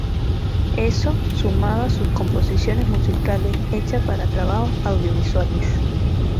Eso, sumado a sus composiciones musicales hechas para trabajos audiovisuales.